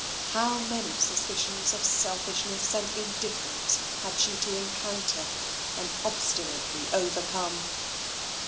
How many suspicions of selfishness and indifference had she to encounter and obstinately overcome.